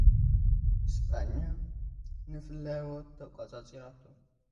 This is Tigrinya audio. ስጳኛ፡ ንፍሎሪዳ ተቖጻጸረታ።